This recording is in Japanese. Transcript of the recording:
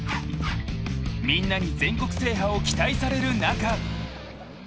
［みんなに全国制覇を期待される中］